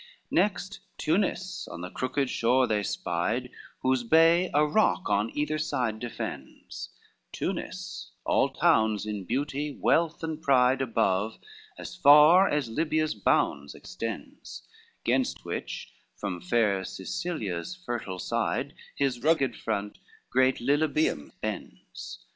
XIX Next Tunis on the crooked shore they spied, Whose bay a rock on either side defends, Tunis all towns in beauty, wealth and pride Above, as far as Libya's bounds extends; Gainst which, from fair Sicilia's fertile side, His rugged front great Lilybaeum bends.